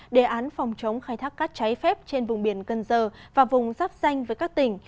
đề án phòng chống khai thác các trái phép trên vùng biển cân dơ và vùng rắp danh với các tỉnh